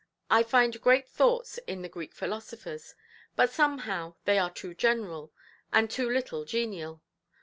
I find great thoughts in the Greek philosophers; but somehow they are too general, and too little genial.